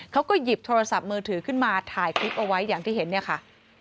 เขาก็หยิบโทรศัพท์มือถือขึ้นมาถ่ายคลิปเอาไว้อย่างที่เห็นเนี่ยค่ะ